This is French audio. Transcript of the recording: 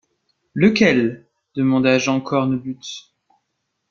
Lequel? demanda Jean Cornbutte.